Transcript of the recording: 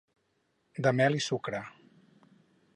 De mel i sucre.